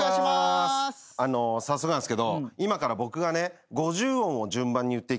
早速なんですけど今から僕がね。